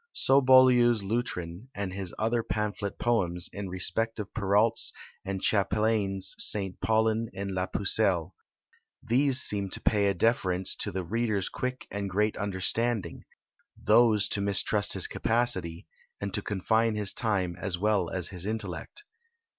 So Boileau's Lutrin, and his other pamphlet poems, in respect of Perrault's and Chapelain's St. Paulin and la Pucelle. These seem to pay a deference to the reader's quick and great understanding; those to mistrust his capacity, and to confine his time as well as his intellect."